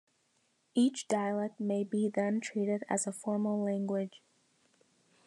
Each dialect may be then treated as a formal language.